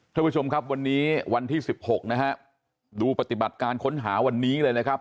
ท่านผู้ชมครับวันนี้วันที่สิบหกนะฮะดูปฏิบัติการค้นหาวันนี้เลยนะครับ